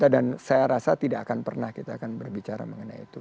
dan saya rasa tidak akan pernah kita akan berbicara mengenai itu